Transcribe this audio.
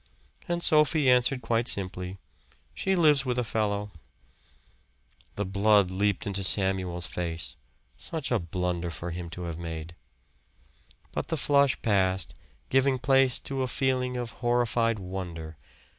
And Sophie answered quite simply, "She lives with a fellow." The blood leaped into Samuel's face. Such a blunder for him to have made. But then the flush passed, giving place to a feeling of horrified wonder.